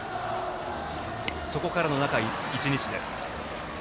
そこからの中１日です。